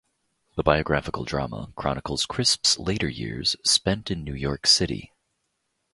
The biographical drama chronicles Crisp's later years spent in New York City.